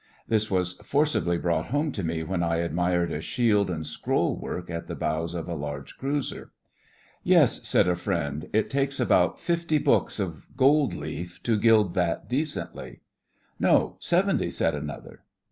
This was forcibly brought home to me when I admired a shield and scroll work at the bows of a large cruiser. 'Yes,' said a friend, 'it takes about fifty books (of gold leaf) to gild that decently.' 'No. Seventy,' said another.